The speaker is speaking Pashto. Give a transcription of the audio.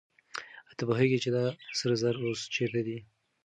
آیا ته پوهېږې چې دا سره زر اوس چېرته دي؟